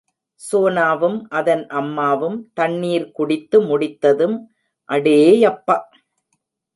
சோனாவும், அதன் அம்மாவும் தண்ணீர் குடித்து முடித்ததும், அடேயப்பா!